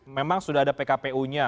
memang sudah ada pkpu nya